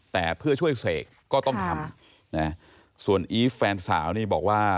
แต่เพื่อช่วยเสกก็ต้องทำนะส่วนอีฟแฟนสาวนี่บอกว่า